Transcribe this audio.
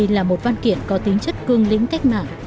là một văn kiện có tính chất cương lĩnh cách mạng